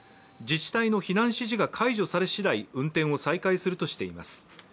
自治体の避難指示が解除されしだい運転を再開するとしています。